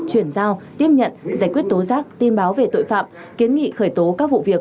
chuyển giao tiếp nhận giải quyết tố giác tin báo về tội phạm kiến nghị khởi tố các vụ việc